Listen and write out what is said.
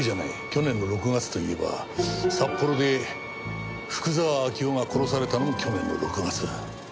去年の６月といえば札幌で福沢明夫が殺されたのも去年の６月。